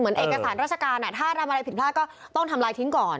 เอกสารราชการถ้าทำอะไรผิดพลาดก็ต้องทำลายทิ้งก่อน